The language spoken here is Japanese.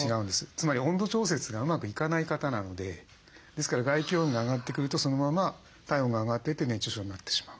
つまり温度調節がうまくいかない方なのでですから外気温が上がってくるとそのまま体温が上がってって熱中症になってしまう。